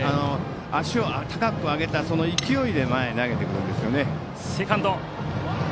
足を高く上げた勢いで前に投げてくるんですよね。